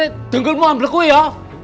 kdrt itu apa